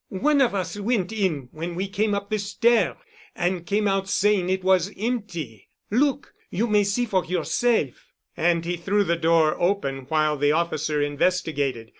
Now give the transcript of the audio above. "One of us went in when we came up the stair and came out saying it was empty. Look! You may see for yourself." And he threw the door open while the officer investigated.